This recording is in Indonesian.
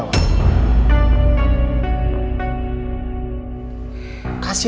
tolong jauhin keluarga dina